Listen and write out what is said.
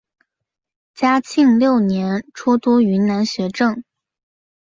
嘉庆六年出督云南学政。